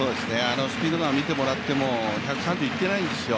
スピードガンを見てもらっても、１３０いってないんですよ。